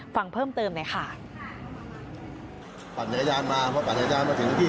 ฟังเพิ่มเติมหน่อยค่ะพันธุ์อาจารย์มาเพราะพันธุ์อาจารย์มาถึงที่